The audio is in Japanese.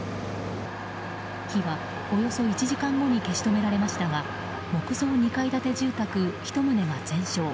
火はおよそ１時間後に消し止められましたが木造２階建て住宅１棟が全焼。